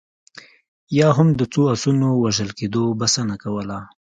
یا هم د څو اسونو وژل کېدو بسنه کوله.